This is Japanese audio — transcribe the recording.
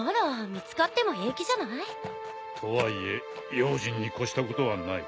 見つかっても平気じゃない？とはいえ用心に越したことはない。